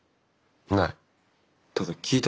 ない。